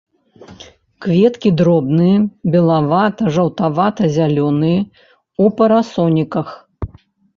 Кветкі дробныя, белавата-жаўтавата-зялёныя, у парасоніках.